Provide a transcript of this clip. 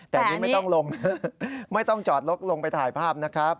แต่นี่ไม่ต้องลงนะไม่ต้องจอดรถลงไปถ่ายภาพนะครับ